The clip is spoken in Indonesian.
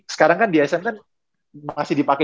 sekarang kan di sm kan masih dipake